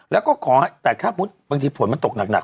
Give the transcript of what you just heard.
แล้วก็ขอแต่ถ้าบางทีฝนมันตกหนัก